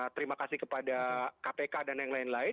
terima kasih kepada kpk dan yang lain lain